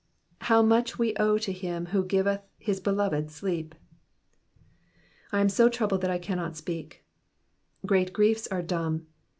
How much we owe to him who giveth his beloved sleep !•*/ am so troubled that I cannot ttpeak."^^ Great giiefs are dumb.